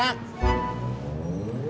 nah sese forki yang bingung